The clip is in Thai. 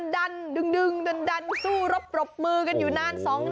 ดึงดันสู้รบมือกันอยู่นาน